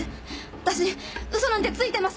私嘘なんて吐いてません！